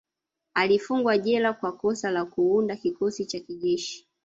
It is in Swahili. Alifungwa jela kwa kosa la Kuunda kikosi cha kijeshi